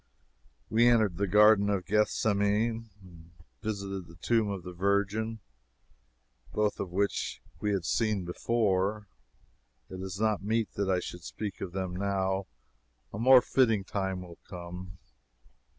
We entered the Garden of Gethsemane, and we visited the Tomb of the Virgin, both of which we had seen before. It is not meet that I should speak of them now. A more fitting time will come.